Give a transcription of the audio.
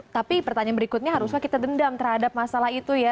tapi pertanyaan berikutnya harusnya kita dendam terhadap masalah itu ya